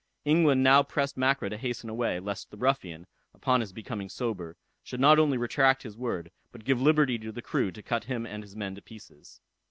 England now pressed Mackra to hasten away, lest the ruffian, upon his becoming sober, should not only retract his word, but give liberty to the crew to cut him and his men to pieces.